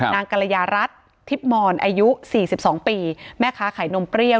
กรยารัฐทิพย์มอนอายุ๔๒ปีแม่ค้าขายนมเปรี้ยว